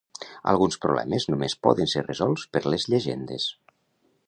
Alguns problemes només poden ser resolts per les llegendes.